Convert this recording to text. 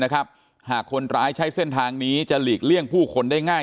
หากคนร้ายใช้เส้นทางนี้จะหลีกเลี่ยงผู้คนได้ง่าย